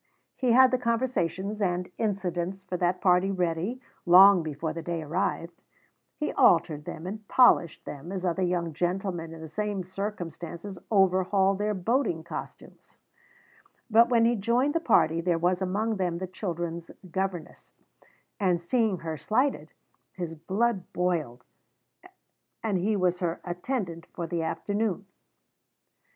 He had the conversations and incidents for that party ready long before the day arrived; he altered them and polished them as other young gentlemen in the same circumstances overhaul their boating costumes; but when he joined the party there was among them the children's governess, and seeing her slighted, his blood boiled, and he was her attendant for the afternoon.